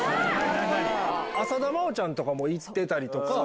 浅田真央ちゃんも行ってたりとか。